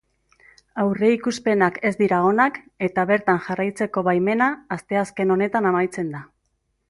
Aurreikuspenak ez dira onak eta bertan jarraitzeko baimena asteazken honetan amaitzen da.